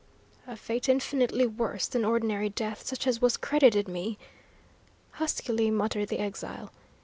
"A fate infinitely worse than ordinary death such as was credited me," huskily muttered the exile.